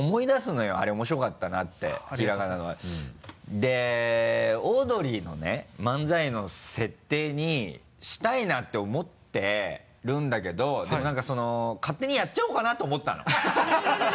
でオードリーのね漫才の設定にしたいなって思ってるんだけどでも何かその勝手にやっちゃおうかな？って思ったのハハハ